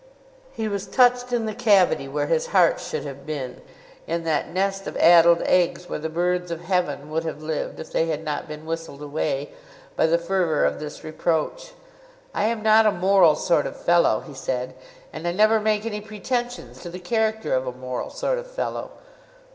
He was touched in the cavity where his heart should have been—in that nest of addled eggs, where the birds of heaven would have lived if they had not been whistled away—by the fervour of this reproach. 'I am not a moral sort of fellow,' he said, 'and I never make any pretensions to the character of a moral sort of fellow.